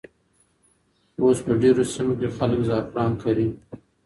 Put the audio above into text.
اوس په ډېرو سیمو کې خلک زعفران کري.